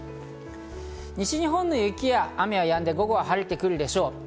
西日本の雪や雨はやんで、午後は晴れてくるでしょう。